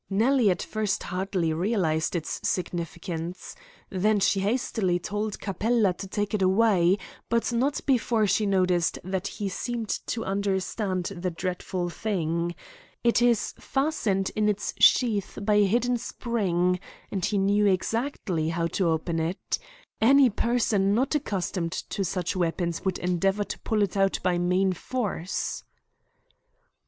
Nellie at first hardly realised its significance. Then she hastily told Capella to take it away, but not before she noticed that he seemed to understand the dreadful thing. It is fastened in its sheath by a hidden spring, and he knew exactly how to open it. Any person not accustomed to such weapons would endeavour to pull it out by main force."